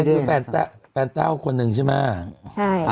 นี่คือแฟนเต้าคนหนึ่งใช่ไหม